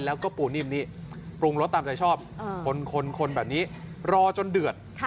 แล้วก็ปูนิ่มนี้ปรุงรสตามใจชอบคนแบบนี้รอจนเดือด